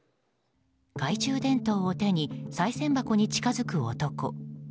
懐中電灯を手にさい銭箱に近づく男。